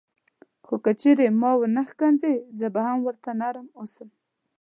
خو که چیرې ما ونه ښکنځي زه به هم ورته نرم اوسم.